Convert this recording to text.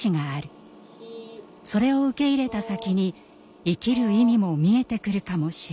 それを受け入れた先に生きる意味も見えてくるかもしれない」。